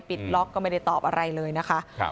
ปิดล็อกก็ไม่ได้ตอบอะไรเลยนะคะ